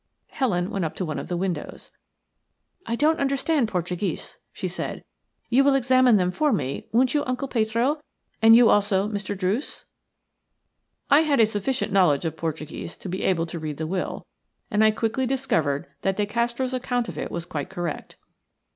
Helen went up to one of the windows. "I don't understand Portuguese," she said. "You will examine them for me, won't you Uncle Petro, and you also, Mr. Druce?" I had a sufficient knowledge of Portuguese to be able to read the will, and I quickly discovered that De Castro's account of it was quite correct.